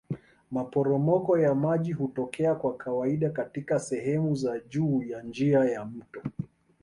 Maporomoko ya maji hutokea kwa kawaida katika sehemu za juu ya njia ya mto.